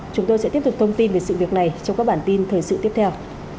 chúng tôi sẽ tiếp tục thông tin về sự việc này trong các bản tin thời sự tiếp theo